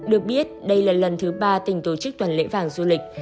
được biết đây là lần thứ ba tỉnh tổ chức tuần lễ vàng du lịch